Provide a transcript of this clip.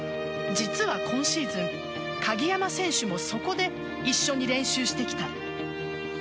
実は今シーズン鍵山選手もそこで一緒に練習してきた。